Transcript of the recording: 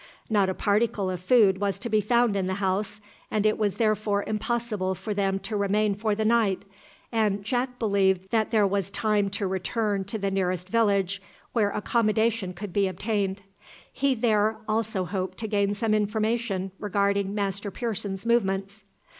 Not a particle of food was to be found in the house, and it was therefore impossible for them to remain for the night, and Jack believed that there was time to return to the nearest village where accommodation could be obtained. He there also hoped to gain some information regarding Master Pearson's movements.